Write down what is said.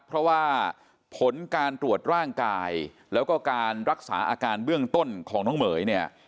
เพราะว่าผลการตรวจร่างกายแล้วก็การรักษาอาการเบื้องต้นของน้องเหม๋ยเนี่ย